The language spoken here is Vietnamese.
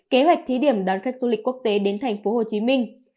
kế hoạch thí điểm đón khách du lịch quốc tế đến thành phố hồ chí minh